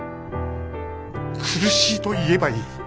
苦しいと言えばいい。